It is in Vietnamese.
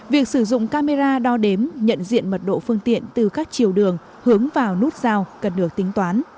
việc sử dụng camera đo đếm nhận diện mật độ phương tiện từ các chiều đường hướng vào nút giao cần được tính toán